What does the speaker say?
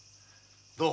どう？